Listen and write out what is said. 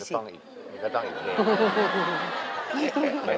มันก็ต้องอีกเพลง